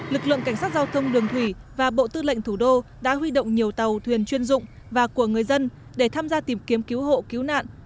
lực lượng cảnh sát giao thông đường thủy và bộ tư lệnh thủ đô đã huy động nhiều tàu thuyền chuyên dụng và của người dân để tham gia tìm kiếm cứu hộ cứu nạn